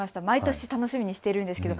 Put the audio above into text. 毎年楽しみにしているんです。